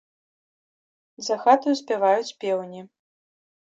За хатаю спяваюць пеўні.